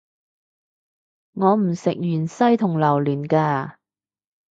我唔食芫茜同榴連架